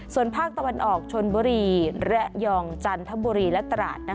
ส่วนภาคตะวันออกชนบุรีระยองจันทบุรีและตราด